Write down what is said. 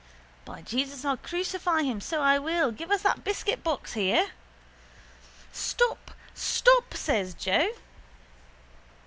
By Jesus, I'll crucify him so I will. Give us that biscuitbox here. —Stop! Stop! says Joe.